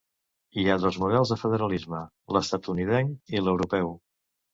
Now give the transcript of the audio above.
Hi ha dos models de federalisme: l'estatunidenc i l'europeu.